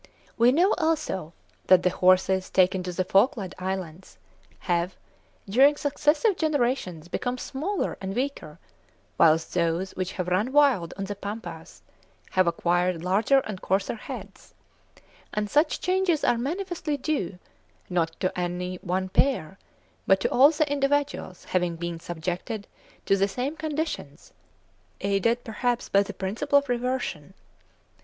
We know, also, that the horses taken to the Falkland Islands have, during successive generations, become smaller and weaker, whilst those which have run wild on the Pampas have acquired larger and coarser heads; and such changes are manifestly due, not to any one pair, but to all the individuals having been subjected to the same conditions, aided, perhaps, by the principle of reversion.